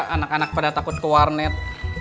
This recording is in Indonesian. anak anak pada takut ke warnet